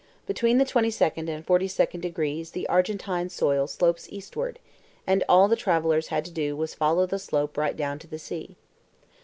Between the 22d and 42d degrees the Argentine soil slopes eastward, and all the travelers had to do was to follow the slope right down to the sea.